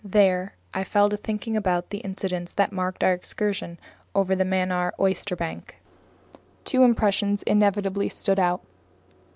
There I fell to thinking about the incidents that marked our excursion over the Mannar oysterbank. Two impressions inevitably stood out.